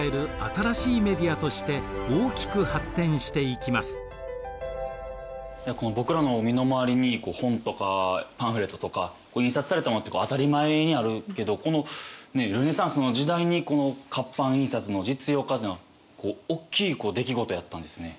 いやこの僕らの身の回りに本とかパンフレットとか印刷されたものって当たり前にあるけどこのルネサンスの時代にこの活版印刷の実用化っていうのはおっきい出来事やったんですね。